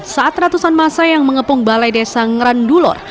saat ratusan masa yang mengepung balai desa ngerandulor